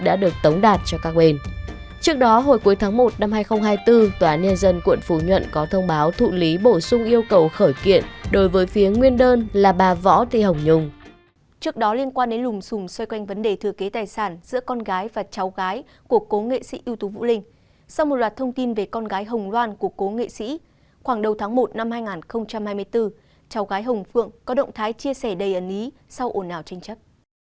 sau một loạt thông tin về con gái hồng loan của cố nghệ sĩ khoảng đầu tháng một năm hai nghìn hai mươi bốn cháu gái hồng phượng có động thái chia sẻ đầy ấn ý sau ổn ảo tranh chấp